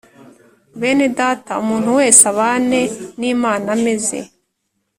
Bene Data umuntu wese abane n Imana ameze